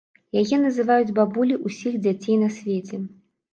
Яе называюць бабуляй усіх дзяцей на свеце.